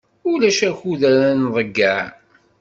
Ulac akud ara nḍeyyeɛ.